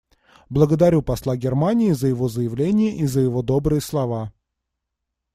Благодарю посла Германии за его заявление и за его добрые слова.